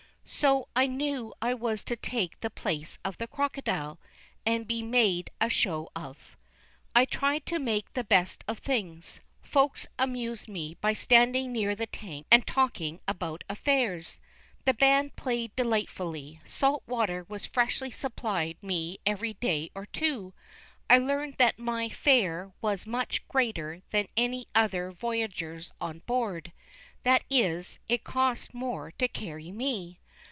So I knew I was to take the place of the crocodile, and be made a show of. I tried to make the best of things. Folks amused me by standing near the tank and talking about affairs. The band played delightfully. Salt water was freshly supplied me every day or two. I learned that my fare was much greater than any other voyager's on board, that is, it cost more to carry me.